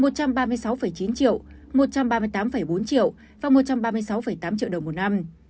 một trăm ba mươi sáu chín triệu một trăm ba mươi tám bốn triệu và một trăm ba mươi sáu tám triệu đồng một năm